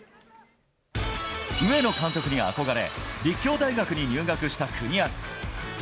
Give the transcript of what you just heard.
上野監督に憧れ、立教大学に入学した國安。